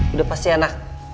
udah pasti anak